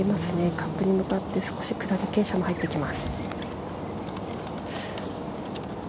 カップに向かって少し下り傾斜も入ってきます。